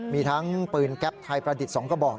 มีทั้งปืนแก๊ปไทยประดิษฐ์๒กระบอก